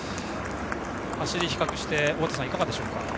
走りを比較していかがでしょうか。